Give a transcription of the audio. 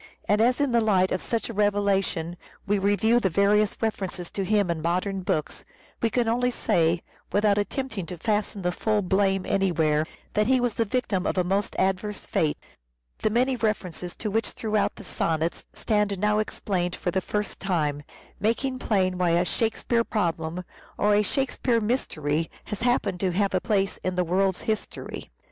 And as in the light of such a revelation we review the various references to him in modern books, we can only say, without attempt ing to fasten the full blame anywhere, that he was the victim of a most adverse fate : the many references to which throughout the sonnets stand now explained for the first time, making plain why a Shakespeare Problem, or a Shakespeare Mystery, has happened to have a place in the world's history.